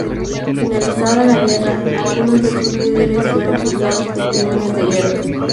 Finalizada la guerra, algunos de sus líderes fueron juzgados por crímenes de guerra.